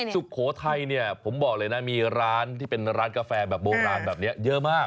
สุโขทัยเนี่ยผมบอกเลยนะมีร้านที่เป็นร้านกาแฟแบบโบราณแบบนี้เยอะมาก